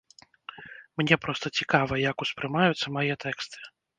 Мне проста цікава, як успрымаюцца мае тэксты.